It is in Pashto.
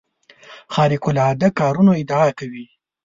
خارق العاده کارونو ادعا کوي.